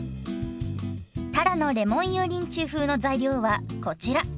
たらのレモン油淋鶏風の材料はこちら。